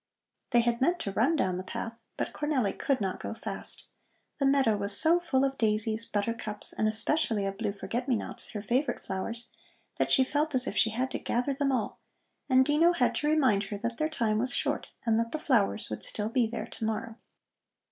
They had meant to run down the path, but Cornelli could not go fast. The meadow was so full of daisies, buttercups and especially of blue forget me nots, her favorite flowers, that she felt as if she had to gather them all, and Dino had to remind her that their time was short and that the flowers would still be there to morrow.